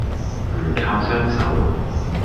唔靠雙手